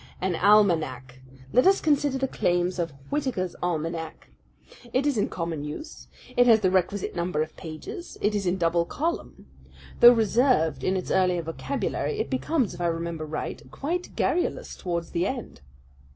An almanac! Let us consider the claims of Whitaker's Almanac. It is in common use. It has the requisite number of pages. It is in double column. Though reserved in its earlier vocabulary, it becomes, if I remember right, quite garrulous towards the end."